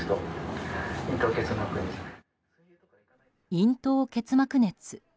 咽頭結膜熱。